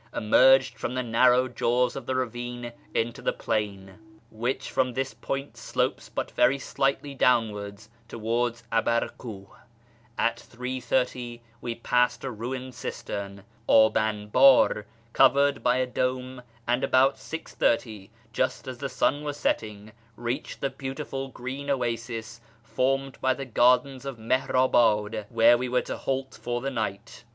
emerged from the narrow jaws of the ravine into the plain, which from this point slopes but very slightly downwards towards Abarkuh. At 3.30 we passed a ruined cistern (dh anbdr) covered by a dome, and about 6.30, just as the sun was setting, reached the beautiful green oasis formed by the gardens of Mihnibad, where we were to halt for tlie night.